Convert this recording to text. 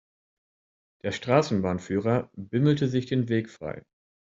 Der Straßenbahnführer bimmelte sich den Weg frei.